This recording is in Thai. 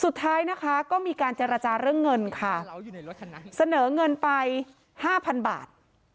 สุดท้ายนะคะก็มีการเจรจาเรื่องเงินค่ะเสนอเงินไปห้าพันบาท